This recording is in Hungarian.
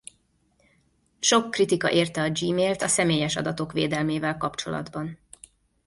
Sok kritika érte a Gmailt a személyes adatok védelmével kapcsolatban.